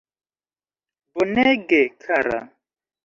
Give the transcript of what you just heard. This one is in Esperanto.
Bonege kara.